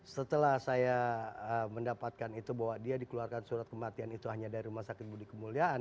setelah saya mendapatkan itu bahwa dia dikeluarkan surat kematian itu hanya dari rumah sakit budi kemuliaan